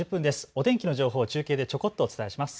お天気の情報を中継でちょこっとお伝えします。